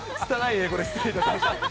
英語で失礼いたしました。